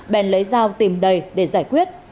bèn lấy dao tìm đầy để giải quyết